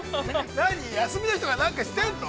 ◆何、休みの日とか、何かしてるの。